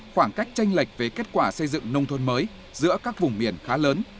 khoảng cách tranh lệch về kết quả xây dựng nông thôn mới giữa các vùng miền khá lớn